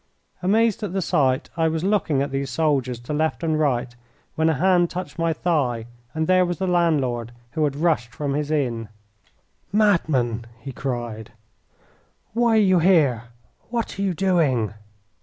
Amazed at the sight, I was looking at these soldiers to left and right when a hand touched my thigh, and there was the landlord, who had rushed from his inn. "Madman!" he cried, "why are you here? What are you doing?"